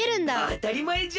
あたりまえじゃ！